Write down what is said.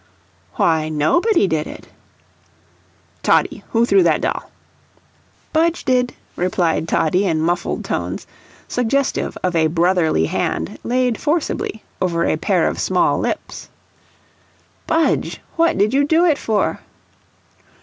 "Why, nobody did it." "Toddie, who threw that doll?" "Budge did," replied Toddie in muffled tones, suggestive of a brotherly hand laid forcibly over a pair of small lips. "Budge, what did you do it for?"